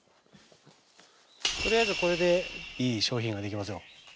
取りあえずこれでいい商品ができますよ。